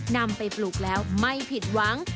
นำไปปลูกแล้วไม่ผิดหวัง